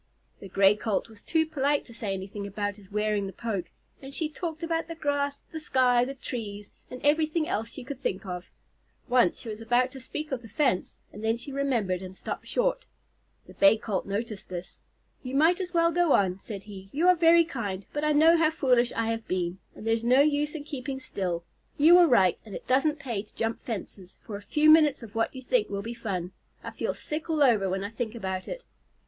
The Gray Colt was too polite to say anything about his wearing the poke, and she talked about the grass, the sky, the trees, and everything else she could think of. Once she was about to speak of the fence, and then she remembered and stopped short. The Bay Colt noticed this. "You might just as well go on," said he. "You are very kind, but I know how foolish I have been, and there's no use in keeping still. You were right, and it doesn't pay to jump fences for a few minutes of what you think will be fun. I feel sick all over when I think about it."